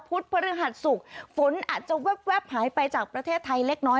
พฤหัสศุกร์ฝนอาจจะแว๊บหายไปจากประเทศไทยเล็กน้อย